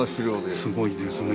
すごいですね。